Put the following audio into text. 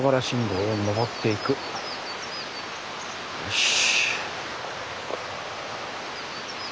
よし。